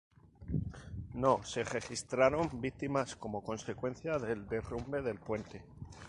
No se registraron víctimas como consecuencia del derrumbe del puente.